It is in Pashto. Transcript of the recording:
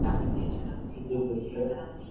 فرد او ټولنه تړلي دي.